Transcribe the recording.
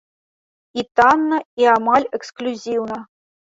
І танна, і амаль эксклюзіўна.